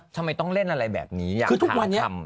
ทำไมต้องเล่นอะไรแบบนี้อยากถาม